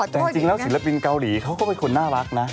แต่จริงแล้วศิลปินเกาหลีเขาก็เป็นคนน่ารักนะ